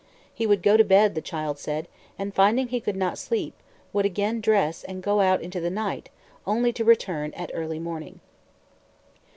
He would go to bed, the child said, and finding he could not sleep, would again dress and go out into the night, only to return at early morning.